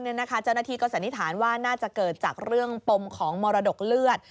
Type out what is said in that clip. เจ้าหน้าที่ก็สันนิษฐานว่าน่าจะเกิดจากเรื่องปมของมรดกเลือด